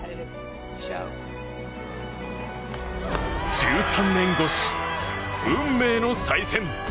１３年越し、運命の再戦。